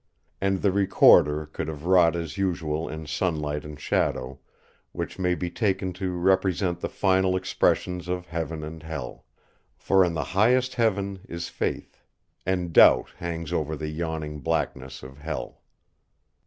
And the Recorder could have wrought as usual in sunlight and shadow, which may be taken to represent the final expressions of Heaven and Hell. For in the highest Heaven is Faith; and Doubt hangs over the yawning blackness of Hell.